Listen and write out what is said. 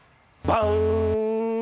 バン？